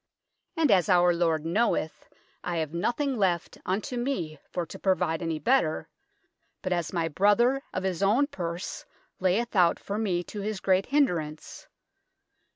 And ass our Lord knoweth, I have nothyng laft un to me for to provide any better, but ass my brother of his own purs layeth out for me to his great hynderance.